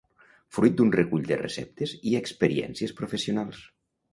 fruit d'un recull de receptes i experiències professionals